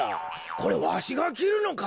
これわしがきるのか？